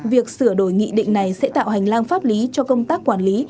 việc sửa đổi nghị định này sẽ tạo hành lang pháp lý cho công tác quản lý